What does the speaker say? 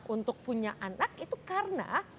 untuk punya anak itu karena